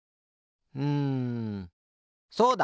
うんそうだ！